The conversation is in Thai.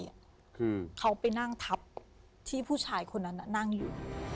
คือเขาไปนั่งทับที่ผู้ชายคนนั้นน่ะนั่งอยู่